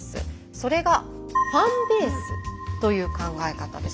それが「ファンベース」という考え方です。